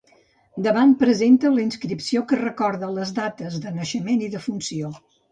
Davant presenta la inscripció que recorda les dates del naixement i defunció.